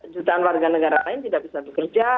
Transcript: jutaan warga negara lain tidak bisa bekerja